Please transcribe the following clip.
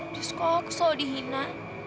di sekolah aku selalu dihina